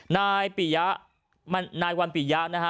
นายปิยะนายวันปิยะนะฮะ